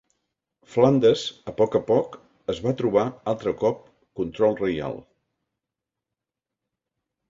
Flandes, a poc a poc, es va trobar altre cop control reial.